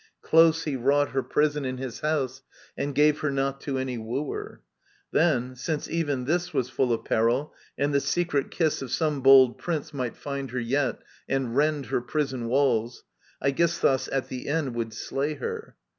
Close he wrought Her prison in his house, and gave her not To any wooer. Then, since even this Was full of peril, and the secret kiss Of some bold prince might find her yet, and rend Her prison walls, Aegisthus at the end Would slay her.